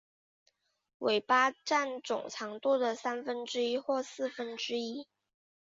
尾巴占总长度的三分之一或四分之一。